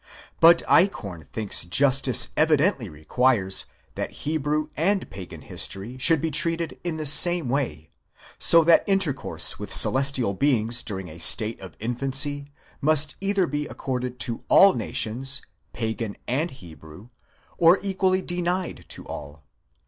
But Eichhorn thinks justice evidently requires that Hebrew and pagan history should be treated in the same way ; so that intercourse with celestial beings during a state of infancy, must either be accorded to all nations, pagan and Hebrew, or equally denied to all.